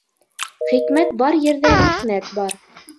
Хикмәт бар ерҙә михнәт бар.